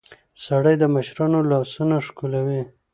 سړى د مشرانو لاسونه ښکلوي.